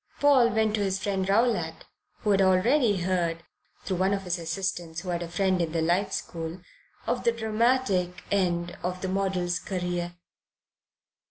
Paul went to his friend Rowlatt, who had already heard, through one of his assistants who had a friend in the Life School, of the dramatic end of the model's career.